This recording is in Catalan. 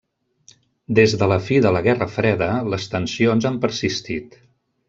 Des de la fi de la Guerra Freda, les tensions han persistit.